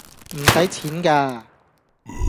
唔使錢㗎